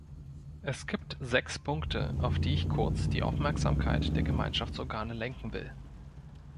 Es gibt sechs Punkte, auf die ich kurz die Aufmerksamkeit der Gemeinschaftsorgane lenken will.